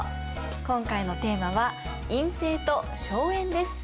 今回のテーマは「院政と荘園」です。